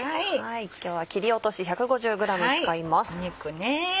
今日は切り落とし１５０ｇ使います。